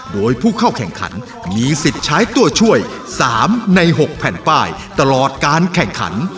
โดยผู้เข้าแข่งขันมีสิทธิ์ใช้ตัวช่วย๓ใน๖แผ่นป้ายตลอดการแข่งขัน